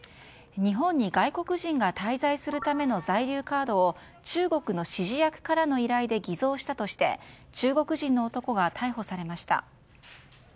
日本に外国人が滞在するための在留カードを中国の指示役からの依頼で偽造したとして中国人の男が逮捕されました。